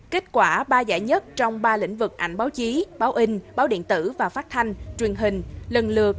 kết quả ba giải nhất trong ba lĩnh vực ảnh báo chí báo in báo điện tử và phát thanh truyền hình lần lượt